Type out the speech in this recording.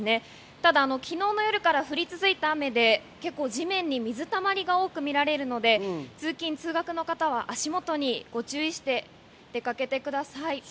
ただ昨日の夜から降り続いた雨で地面に水たまりが多く見られるので通勤通学の方は足元にご注意して出かけてください。